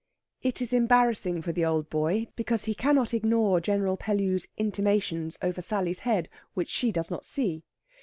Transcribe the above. It is embarrassing for the old boy, because he cannot ignore General Pellew's intimations over Sally's head, which she does not see.